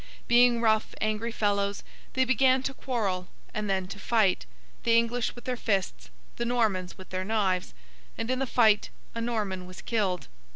Being rough angry fellows, they began to quarrel, and then to fight—the English with their fists; the Normans with their knives—and, in the fight, a Norman was killed.